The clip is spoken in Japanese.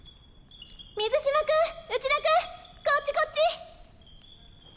水嶋君内田君こっちこっち！